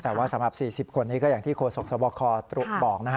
แต่สำหรับ๔๐คนนี้ก็อย่างที่โคสกสวบคอบอก